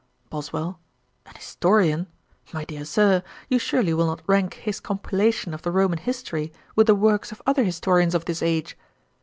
BOSWELL. 'An historian! My dear Sir, you surely will not rank his compilation of the Roman History with the works of other historians of this age?'